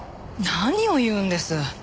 何を言うんです？